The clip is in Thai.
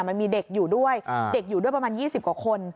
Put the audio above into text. มันมีเด็กอยู่ด้วยเด็กอยู่ด้วยประมาณ๒๐กว่าคน